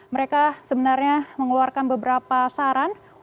mereka sebenarnya mengeluarkan beberapa saran